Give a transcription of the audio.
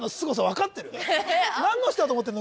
えっ何の人だと思ってるの？